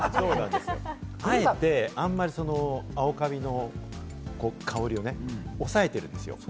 あえてあまりそんなに青カビの香りをね、抑えてるんですよ。